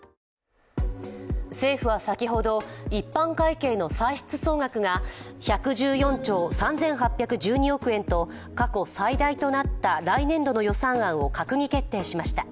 政府は先ほど、一般会計の歳出総額が１１４兆３８１２億円と過去最大となった来年度の予算案を閣議決定しました。